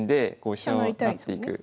飛車を成っていく。